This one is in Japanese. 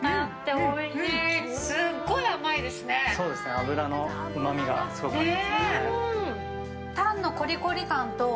脂のうまみがすごくあって。